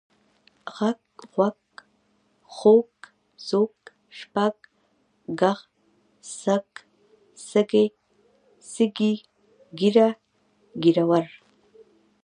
غږ، غوږ، خوَږ، ځوږ، شپږ، ږغ، سږ، سږی، سږي، ږېره، ږېروَر .